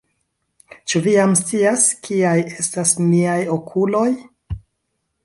Ĉu Vi jam scias, kiaj estas miaj okuloj?